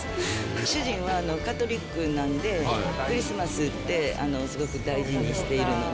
主人はカトリックなんで、クリスマスってすごく大事にしているので。